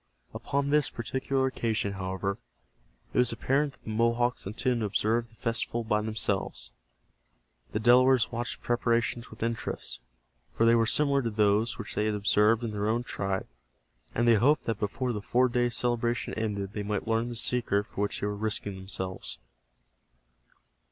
Upon this particular occasion, however, it was apparent that the Mohawks intended to observe the festival by themselves. The Delawares watched the preparations with interest, for they were similar to those which they had observed in their own tribe, and they hoped that before the four days' celebration ended they might learn the secret for which they were risking themselves.